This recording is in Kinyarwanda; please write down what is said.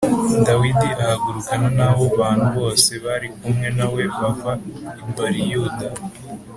Dawidi ahagurukana n’abo bantu bose bari kumwe na we, bava i Bāliyuda